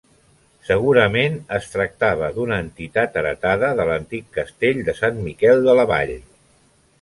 Segurament es tractava d'una entitat heretada de l'antic castell de Sant Miquel de la Vall.